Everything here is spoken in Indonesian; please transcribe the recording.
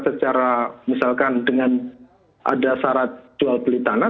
secara misalkan dengan ada syarat jual beli tanah